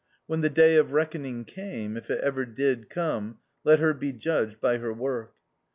When the day of reckoning came, if it ever did come, let her be judged by her work.